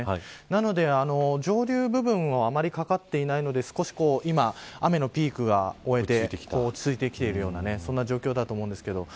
なので上流部分はあまりかかっていないので少し雨のピークが終えて落ち着いてきているようなそんな状況だと思うんですけど。